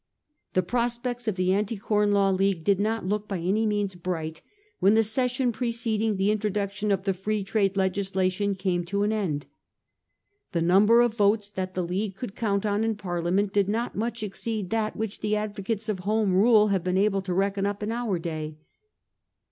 The prospects of the Anti Com Law League did not look by any means bright when the session preceding the introduction of the Free Trade legislation came to an end. The number of votes that the League could count on in Parliament did not much exceed that which the advocates of Home Rule have been able to reckon up in our day.